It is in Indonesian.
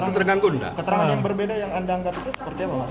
keterangan yang berbeda yang anda anggap itu seperti apa mas